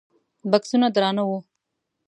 بکسونه درانه وو.